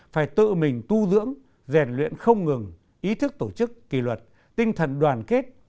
phải tự mình tu dưỡng rèn luyện không ngừng ý thức tổ chức kỳ luật tinh thần đoàn kết